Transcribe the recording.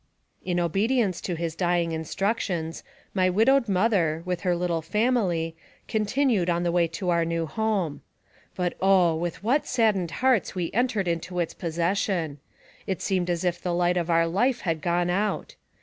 In obedience to his dying instructions, my widowed mother, with her little family, continued on the way to our new home. But, oh! with what saddened hearts we entered into its possession. It seemed as if the light of our life had gone out.